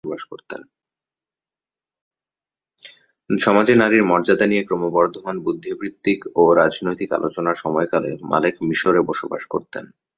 সমাজে নারীর মর্যাদা নিয়ে ক্রমবর্ধমান বুদ্ধিবৃত্তিক ও রাজনৈতিক আলোচনার সময়কালে মালেক মিশরে বসবাস করতেন।